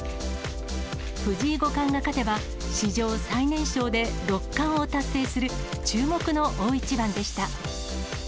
藤井五冠が勝てば、史上最年少で六冠を達成する、注目の大一番でした。